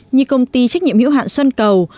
như công ty trách nhiệm hữu hạn xuân cầu